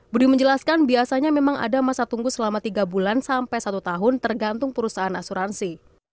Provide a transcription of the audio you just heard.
budi menjelaskan biasanya memang ada masa tunggu selama tiga bulan sampai satu tahun tergantung perusahaan asuransi